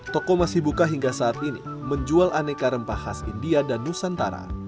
toko masih buka hingga saat ini menjual aneka rempah khas india dan nusantara